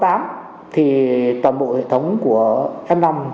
thì toàn bộ hệ thống của m năm